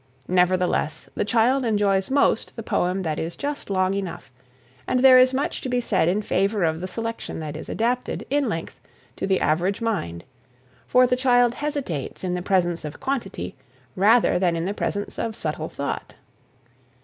Nevertheless, the child enjoys most the poem that is just long enough, and there is much to be said in favour of the selection that is adapted, in length, to the average mind; for the child hesitates in the presence of quantity rather than in the presence of subtle thought.